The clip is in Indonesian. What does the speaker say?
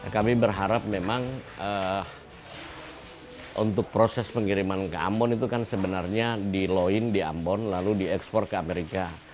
kami berharap memang untuk proses pengiriman ke ambon itu kan sebenarnya di lawin di ambon lalu diekspor ke amerika